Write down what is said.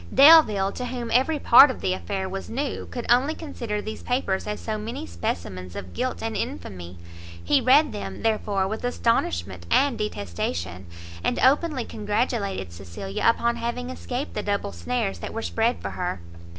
Delvile, to whom every part of the affair was new, could only consider these papers as so many specimens of guilt and infamy; he read them, therefore, with astonishment and detestation, and openly congratulated Cecilia upon having escaped the double snares that were spread for her.